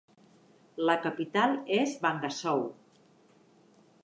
La capital és Bangassou.